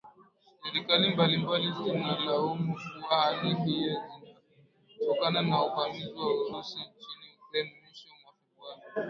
Serikali mbalimbali zinalaumu kuwa hali hiyo imetokana na uvamizi wa Urusi nchini Ukraine mwishoni mwa Februari.